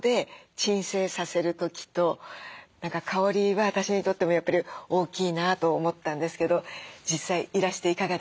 何か香りは私にとってもやっぱり大きいなと思ったんですけど実際いらしていかがでしたか？